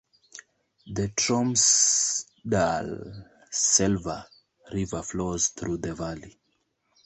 The Tromsdalselva river flows through the valley.